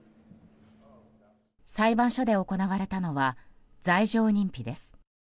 裁判所で行われたのは罪状認否です。